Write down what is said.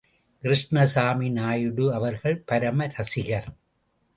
கிருஷ்ணசாமி நாயுடு அவர்கள் பரம ரசிகர்.